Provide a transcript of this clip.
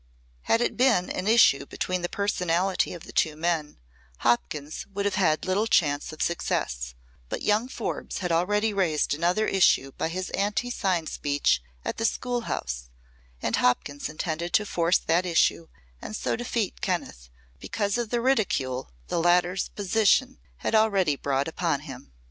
Had it been an issue between the personality of the two men, Hopkins would have had little chance of success; but young Forbes had already raised another issue by his anti sign speech at the school house, and Hopkins intended to force that issue and so defeat Kenneth because of the ridicule the latter's position had already brought upon him.